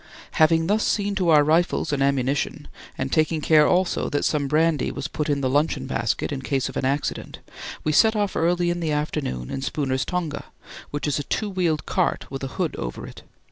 Having thus seen to our rifles and ammunition and taken care also that some brandy was put in the luncheon basket in case of an accident, we set off early in the afternoon in Spooner's tonga, which is a two wheeled cart with a hood over it.